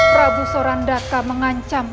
prabu sorandaka mengancam